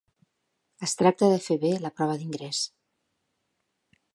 Es tracta de fer bé la prova d'ingrés.